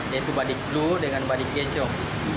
yaitu badik blue dengan badik kecok